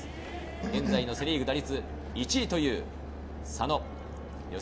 現在セ・リーグで打率１位という佐野。